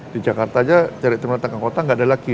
di jakarta aja dari tengah tengah kota tidak ada lagi